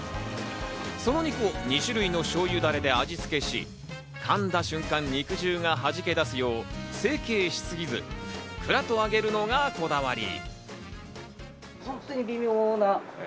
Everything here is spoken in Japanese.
その肉を２種類のしょうゆダレで味つけし、噛んだ瞬間、肉汁がはじけだすよう成形しすぎず、ふっくらと揚げるのがこだわり。